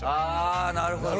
ああなるほど。